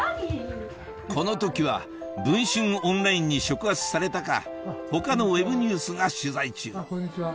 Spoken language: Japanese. この時は『文春オンライン』に触発されたか他のウェブニュースが取材中こんにちは。